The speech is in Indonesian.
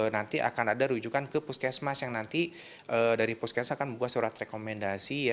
nanti akan ada rujukan ke puskesmas yang nanti dari puskes akan membuat surat rekomendasi